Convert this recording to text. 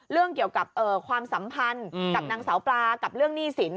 เรื่องเกี่ยวกับความสัมพันธ์กับนางสาวปลากับเรื่องหนี้สิน